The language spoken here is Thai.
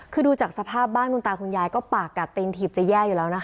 คือดูจากสภาพบ้านคุณตาคุณยายก็ปากกัดตินถีบจะแย่อยู่แล้วนะคะ